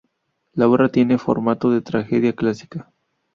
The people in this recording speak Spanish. La obra tiene formato de tragedia clásica.